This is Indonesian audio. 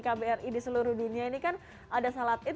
kbri di seluruh dunia ini kan ada salad eat